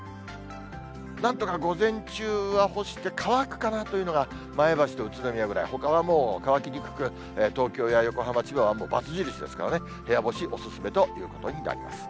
なんとか午前中は干して、乾くかなというのが前橋と宇都宮ぐらい、ほかはもう乾きにくく、東京や横浜、千葉は×印ですからね、部屋干しお勧めということになります。